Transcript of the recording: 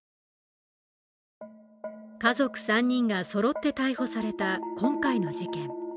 家族３人がそろって逮捕された今回の事件。